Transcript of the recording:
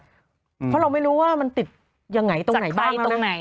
เพราะเราไม่รู้ว่ามันติดยังไงตรงไหนใบตรงไหน